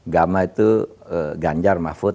gama itu ganjar mahfud